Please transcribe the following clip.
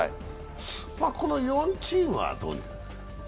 この４チームはどうですか？